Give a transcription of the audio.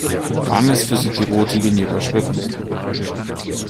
Wann ist für Sie die rote Linie überschritten?